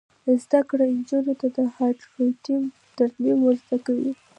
زده کړه نجونو ته د هارډویر ترمیم ور زده کوي.